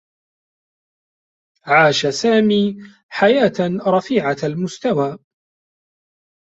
عاش سامي حياة رفيعة المستوى.